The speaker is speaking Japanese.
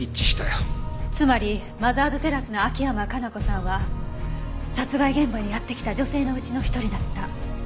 つまりマザーズテラスの秋山可奈子さんは殺害現場にやって来た女性のうちの一人だった。